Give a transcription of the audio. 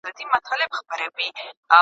د تاریخ لوستل د هر ځوان لپاره اړین دي.